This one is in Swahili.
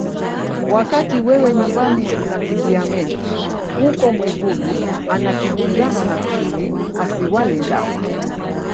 Wakati wewe nyumbani unakimbia mende huko Mwigulu anakimbizana na chui asiwale ndama